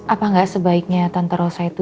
apa enggak sebaiknya tante rosa itu